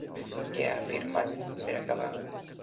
Què ha afirmat, per acabar?